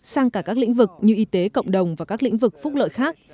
sang cả các lĩnh vực như y tế cộng đồng và các lĩnh vực phúc lợi khác